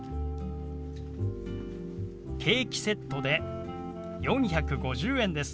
ケーキセットで４５０円です。